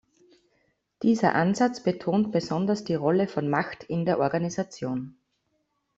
Dieser Ansatz betont besonders die Rolle von Macht in der Organisation.